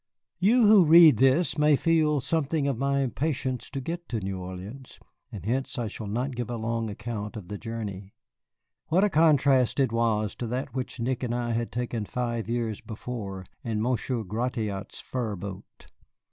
You who read this may feel something of my impatience to get to New Orleans, and hence I shall not give a long account of the journey. What a contrast it was to that which Nick and I had taken five years before in Monsieur Gratiot's fur boat!